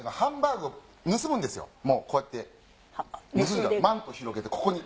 もうこうやって盗んじゃうマント広げてここに。